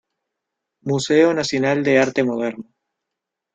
Museo Nacional de Arte Moderno.